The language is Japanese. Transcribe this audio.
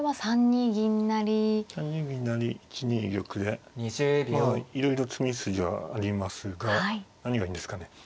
３二銀成１二玉でまあいろいろ詰み筋はありますが何がいいんですかね。